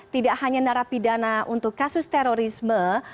tidak hanya narapidana untuk kasus terorisme